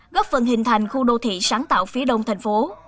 góp phần hình thành khu đô thị sáng tạo phía đông thành phố